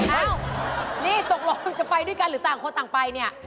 อ้าวนี่ตกลงจะไปด้วยกันหรือต่างคนต่างไปเนี่ย